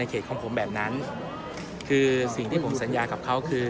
ในเขตของผมแบบนั้นคือสิ่งที่ผมศาลณ์อยากกับเขาคือ